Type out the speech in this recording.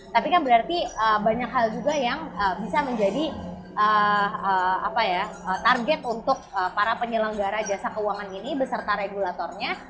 tapi kan berarti banyak hal juga yang bisa menjadi target untuk para penyelenggara jasa keuangan ini beserta regulatornya